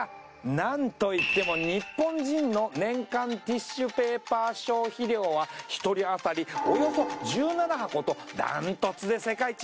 なんといっても日本人の年間ティッシュペーパー消費量は１人あたりおよそ１７箱とダントツで世界一。